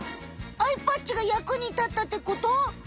アイパッチが役に立ったってこと？